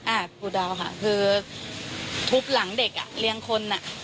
ปูเดาค่ะคือทุบหลังเด็กอ่ะเลี้ยงคนอ่ะ